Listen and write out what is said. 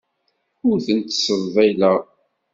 Ur ten-ttseḍḍileɣ.